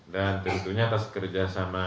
dan tentunya atas kerjasama